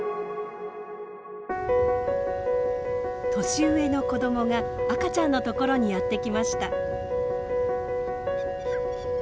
年上の子どもが赤ちゃんのところにやって来ました。